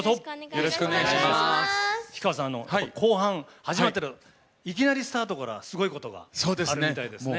後半始まったらいきなりスタートからすごいことがあるみたいですね。